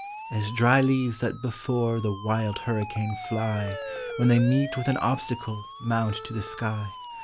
" As drv leaves that ltefore the wild hurricane 11 v, W hen they meet with an obstacle, mount to the sky.